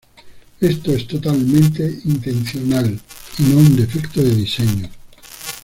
Esto es totalmente intencional y no un defecto de diseño.